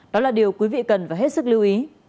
đó là điều quý vị cần phải hết sức lưu ý